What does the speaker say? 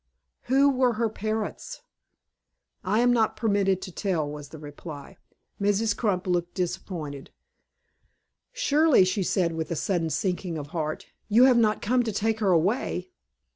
"Who were her parents?" "I am not permitted to tell," was the reply. Mrs. Crump looked disappointed. "Surely," she said, with a sudden sinking of heart, "you have not come to take her away?"